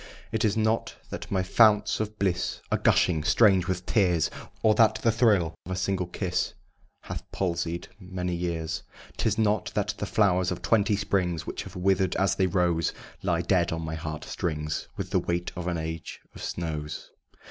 It is not that my founts of bliss Are gushing strange! with tears Or that the thrill of a single kiss Hath palsied many years 'Tis not that the flowers of twenty springs Which have wither'd as they rose Lie dead on my heart strings With the weight of an age of snows.